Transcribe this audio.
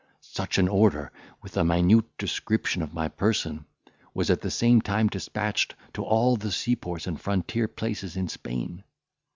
Such an order, with a minute description of my person, was at the same time despatched to all the seaports and frontier places in Spain.